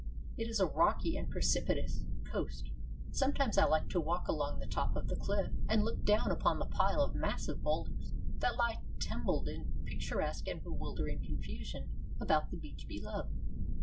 It is a rocky and precipitous coast. Sometimes I like to walk along the top of the cliff, and look down upon the pile of massive boulders that lie tumbled in picturesque and bewildering confusion about the beach below.